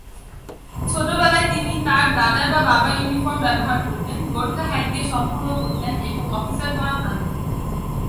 ছোটবেলায় তিনি তার দাদার বা বাবার ইউনিফর্ম ব্যবহার করতেন, গোর্খা হ্যাট দিয়ে সম্পূর্ণ করতেন এবং অফিসার হওয়ার ভান করতেন।